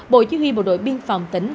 bộ chỉ huy bộ đội biên phòng tỉnh